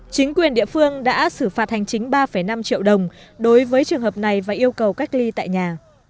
chính quyền địa phương đã xử phạt hành chính ba năm triệu đồng đối với trường hợp này và yêu cầu cách ly tại nhà